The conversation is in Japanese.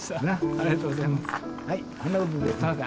ありがとうございます。